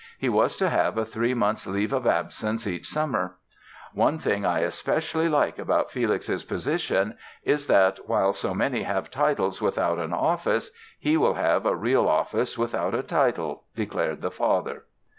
He was to have a three months' leave of absence each summer. "One thing I especially like about Felix's position is that, while so many have titles without an office he will have a real office without a title", declared the father.